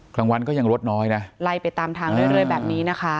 กลางวันก็ยังรถน้อยนะไล่ไปตามทางเรื่อยแบบนี้นะคะ